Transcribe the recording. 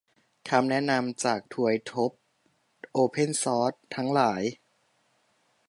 คำแนะนำจากทวยทพโอเพนซอร์สทั้งหลาย